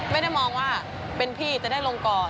ไม่ได้มองว่าเป็นพี่จะได้ลงก่อน